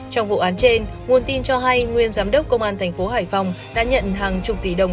trong vụ án trên nguồn tin cho hay nguyên giám đốc công an thành phố hải phòng đã nhận hàng chục tỷ đồng